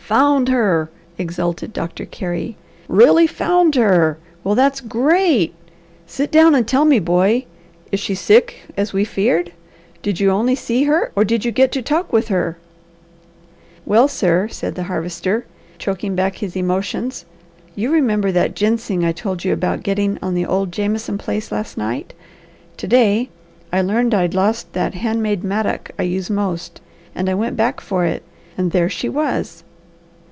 "Found her!" exulted Doctor Carey. "Really found her! Well that's great! Sit down and tell me, boy! Is she sick, as we feared? Did you only see her or did you get to talk with her?" "Well sir," said the Harvester, choking back his emotions, "you remember that ginseng I told you about getting on the old Jameson place last night. To day, I learned I'd lost that hand made mattock I use most, and I went back for it, and there she was."